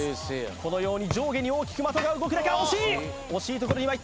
このように上下に大きく的が動く中惜しい！